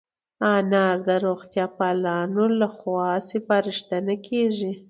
انار د روغتیا پالانو له خوا سپارښتنه کېږي.